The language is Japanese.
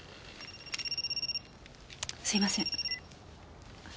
すいません。